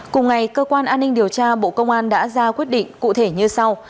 cùng ngày cơ quan an ninh điều tra bộ công an đã ra quyết định cụ thể như sau